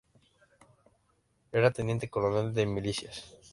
Era teniente coronel de Milicias.